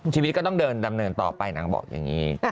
ชีวิตก็ต้องเดินต่อไปนางบอกอย่างนี้